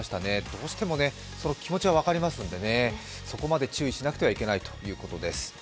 どうしてもその気持ちは分かりますんでね、そこまで注意しなくてはいけないということです。